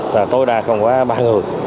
là tối đa không có ba người